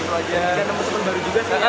nemu pokemon baru juga sih ya